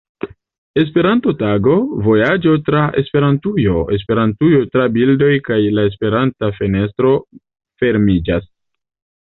Esperanto-Tago, Vojaĝo tra Esperantujo, Esperantujo tra bildoj kaj La Esperanta fenestro fermiĝas.